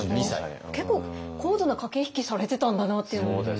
結構高度な駆け引きされてたんだなっていう。